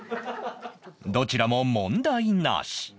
どちらも問題なし